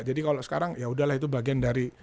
jadi kalau sekarang yaudah lah itu bagian dari